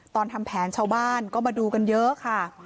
ทำแผนชาวบ้านก็มาดูกันเยอะค่ะ